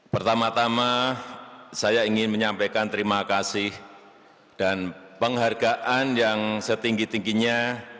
pertama tama saya ingin menyampaikan terima kasih dan penghargaan yang setinggi tingginya